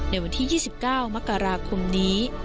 ในวันที่๒๙มกราคมนี้